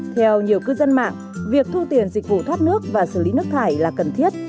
theo nhiều cư dân mạng việc thu tiền dịch vụ thoát nước và xử lý nước thải là cần thiết